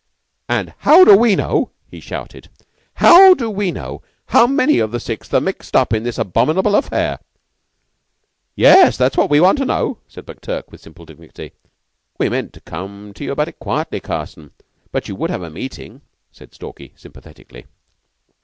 "And how do we know," he shouted "how do we know how many of the Sixth are mixed up in this abominable affair?" "Yes, that's what we want to know," said McTurk, with simple dignity. "We meant to come to you about it quietly, Carson, but you would have the meeting," said Stalky sympathetically.